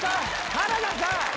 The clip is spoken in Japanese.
原田さん！